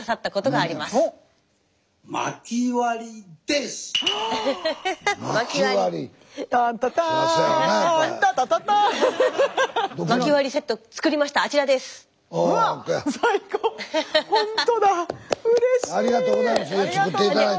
ありがとうございます。